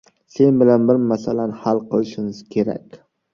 – Sen bilan bir masalani hal qilishimiz kerak.